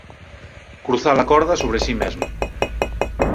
Cruzar a corda sobre si mesma.